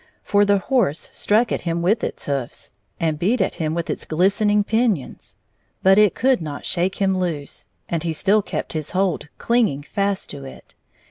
For the horse struck at him with its hoofs, and beat at him with its gUstening pinions. But it could not shake him loose, and he still kept his hold, cling ing fast to it.